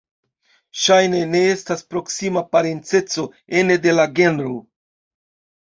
Ŝajne ne estas proksima parenceco ene de la genro.